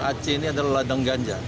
ac ini adalah ladang ganja